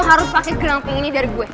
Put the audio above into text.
lo harus pake gramping ini dari gue